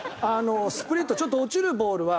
スプリットちょっと落ちるボールは。